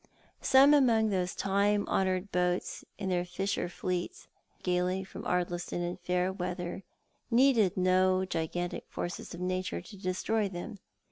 Some among those old time honoured boats in the little fisher fleet that sailed out so gaily from Ardliston in fair weather, needed no gigantic forces of Nature to destroy them.